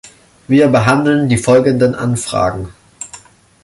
Wir behandeln die folgenden Anfragen.